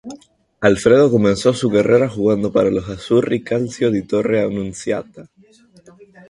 Alfredo comenzó su carrera jugando para los Azzurri Calcio di Torre Annunziata.